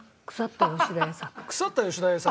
腐った吉田栄作？